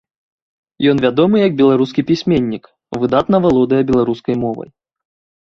Ён вядомы як беларускі пісьменнік, выдатна валодае беларускай мовай.